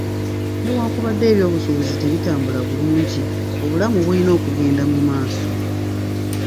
Newankubadde ebyobusuubuzi tebitambula bulungi, obulamu bulina okugenda mu maaso.